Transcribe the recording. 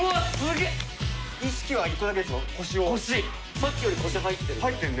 さっきより腰入ってるね。